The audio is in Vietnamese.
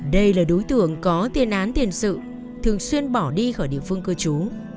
đây là đối tượng có tiền án tiền sự thường xuyên bỏ đi khỏi địa phương cơ chú